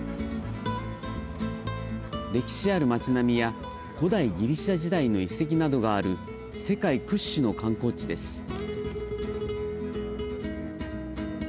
歴史ある町並みや古代ギリシャ時代の遺跡などがある世界屈指の観光地です。